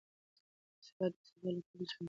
تاسي باید د سفر لپاره چمتو اوسئ.